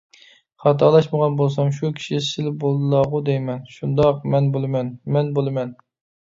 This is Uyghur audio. _ خاتالاشمىغان بولسام شۇ كىشى سىلى بولىدىلاغۇ دەيمەن؟ − شۇنداق، مەن بولىمەن، مەن بولىمەن.